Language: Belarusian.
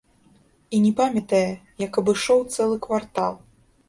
І не памятае, як абышоў цэлы квартал.